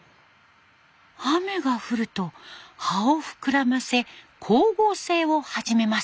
雨が降ると葉を膨らませ光合成を始めます。